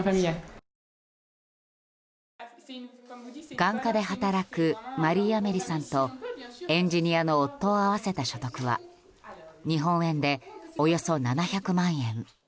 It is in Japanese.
眼科で働くマリーアメリさんとエンジニアの夫を合わせた所得は日本円でおよそ７００万円。